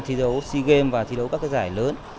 thi đấu sea games và thi đấu các giải lớn